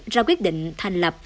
ra quyết định thành lập